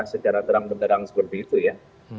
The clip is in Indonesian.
sudah secara terang dan terang seperti itu ya